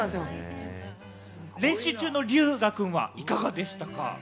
練習中の龍芽くんはいかがでしたか？